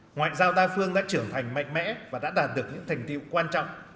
ngoại giao đa phương đã trưởng thành mạnh mẽ và đã đạt được những thành tiệu quan trọng